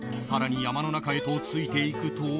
更に山の中へとついていくと。